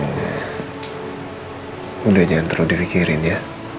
sudah jangan terlalu di fikirin ya